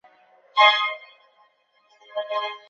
并宣布于演艺圈中隐退。